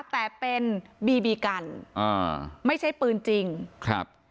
แต่เป็นบีบีกันอ่าไม่ใช่ปืนจริงครับ